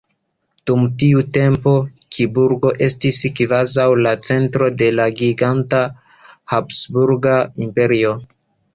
Dum tiu tempo Kiburgo estis kvazaŭ la centro de la giganta habsburga imperio.